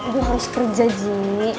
gua harus kerja ji